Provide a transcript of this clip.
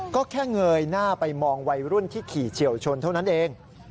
ก็แค่เงยหน้าไปมองวัยรุ่นที่ขี่เฉียวชนเท่านั้นเอง